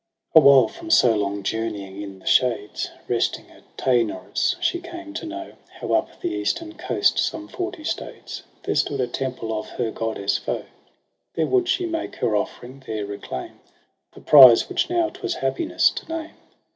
Awhile from so long journeying in the shades Resting at Taenarus she came to know How, up the eastern coast some forty stades, There stood a temple of her goddess foe. There would she make her offering, there reclaim The prize, which now 'twas happiness to name.